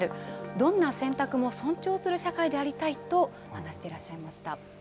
どんな選択も尊重する社会でありたいと話していらっしゃいました。